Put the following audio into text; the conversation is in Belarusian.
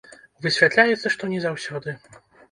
Высвятляецца, што не заўсёды.